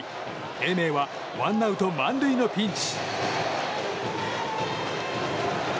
英明はワンアウト満塁のピンチ。